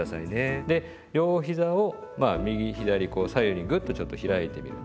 で両ひざを右左こう左右にグッとちょっと開いてみる。